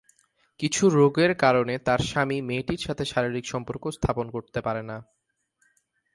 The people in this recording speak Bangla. কিছু রোগের কারণে তার স্বামী মেয়েটির সাথে শারীরিক সম্পর্ক স্থাপন করতে পারে না।